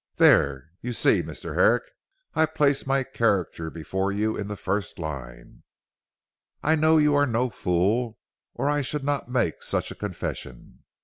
There you see Mr. Herrick I place my character before you in 'the first line. I know you are no fool, or I should not make such a confession.